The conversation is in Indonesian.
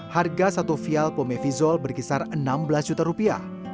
harga satu vial pomevizol berkisar enam belas juta rupiah